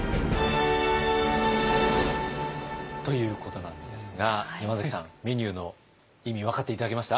ということなんですが山崎さんメニューの意味分かって頂けました？